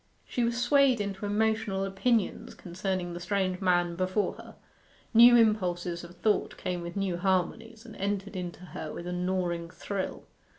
She was swayed into emotional opinions concerning the strange man before her; new impulses of thought came with new harmonies, and entered into her with a gnawing thrill.